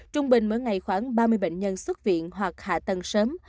trung bình mỗi ngày khoảng ba mươi bệnh nhân xuất viện hoặc hạ tầng sớm